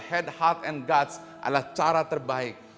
head heart and gots adalah cara terbaik